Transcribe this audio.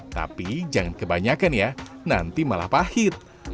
tapi jangan kebanyakan ya nanti malah pahit